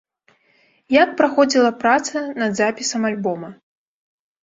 Як праходзіла праца над запісам альбома?